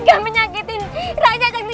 sekarang bukan kali kebudayaan kami